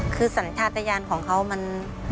คือศัลยธาตยานของเขามัน